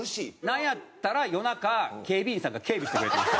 なんやったら夜中警備員さんが警備してくれてます。